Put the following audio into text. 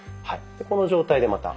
この状態でまた。